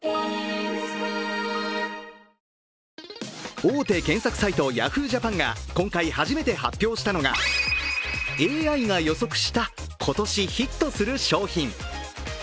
大手検索サイト、Ｙａｈｏｏ！ＪＡＰＡＮが今回初めて発表したのがＡＩが予測した今年ヒットする商品。